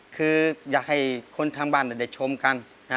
คืออยากให้คนทางบ้านได้ชมกัน